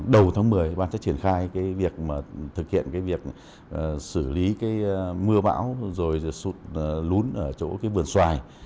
đầu tháng một mươi ban chất triển khai thực hiện việc xử lý mưa bão rồi sụt lún ở chỗ vườn xoài